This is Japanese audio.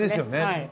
はい。